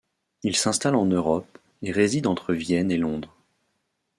Il s'installe en Europe, et réside entre Vienne et Londres.